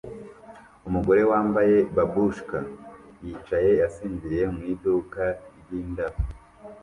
Umugore wambaye babushka yicaye asinziriye mu iduka ryindabyo